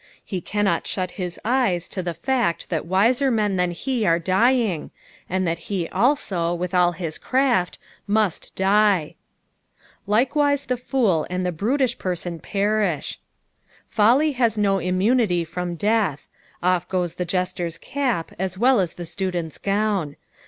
He cannot shut his eyes to the fact that wiser men than he are dying, and that he also, with all his craft, must die. " Likeicite the fool and the brutith perten perieh." Folly has no immunity from death. Off goes the jester's cap, as well as the student's gown.